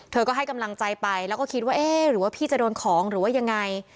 เธอก็ให้กำลังใจไปแล้วก็คิดว่าเอ๊ะหรือว่าพี่จะโดนของหรือว่ายังไง